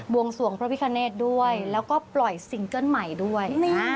วงสวงพระพิคเนธด้วยแล้วก็ปล่อยซิงเกิ้ลใหม่ด้วย